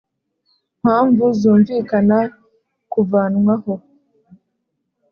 mpamvu zumvikana kuvanwaho